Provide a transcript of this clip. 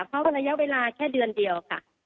เพราะระยะเวลาแค่เดือนเดียวค่ะ